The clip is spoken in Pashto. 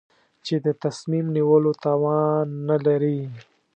چې د تصمیم نیولو توان نه لري.